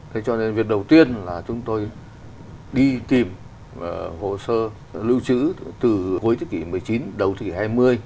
thế cho nên việc đầu tiên là chúng tôi đi tìm hồ sơ lưu trữ từ cuối thế kỷ một mươi chín đầu thế kỷ hai mươi